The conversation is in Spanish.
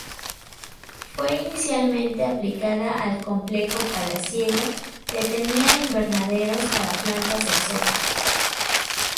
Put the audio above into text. Fue inicialmente aplicada al complejo palaciego, que tenía invernaderos para plantas exóticas.